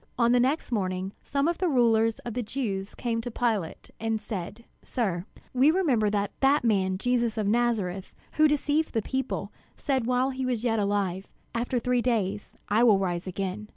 On the next morning, some of the rulers of the Jews came to Pilate, and said: "Sir, we remember that that man Jesus of Nazareth, who deceived the people, said while he was yet alive, 'After three days I will rise again.'